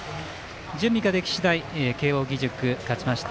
準備が出来次第慶応義塾、勝ちました